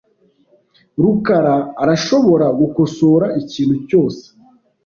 rukara arashobora gukosora ikintu cyose .